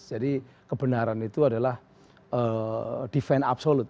jadi kebenaran itu adalah defense absolute